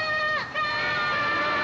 はい！